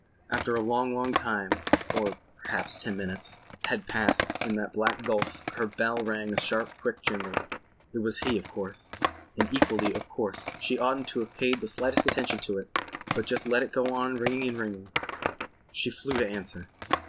After a long long time (or perhaps ten minutes) had passed in that black gulf her bell rang a sharp quick jingle. It was he, of course. And equally, of course, she oughtn't to have paid the slightest attention to it but just let it go on ringing and ringing. She flew to answer.